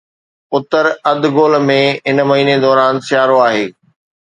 اتر اڌ گول ۾، هن مهيني دوران سيارو آهي